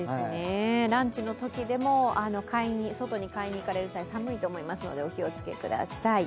ランチのときでも、外に買いに行かれる際、寒いと思いますので、お気をつけください。